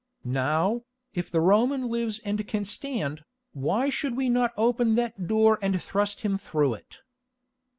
Now, if the Roman lives and can stand, why should we not open that door and thrust him through it?"